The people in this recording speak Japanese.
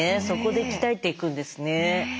そこで鍛えていくんですね。